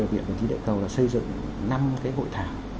viện bản chí đại cầu đã xây dựng năm cái hội thảo